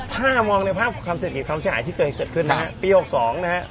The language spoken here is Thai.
ถ้ามองในภาพความเสียหายที่เกิดขึ้นนะฮะปี๖๒นะฮะ